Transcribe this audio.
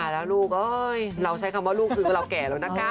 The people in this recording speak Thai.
เราใช้คำว่าลูกคือเราแก่แล้วนะคะ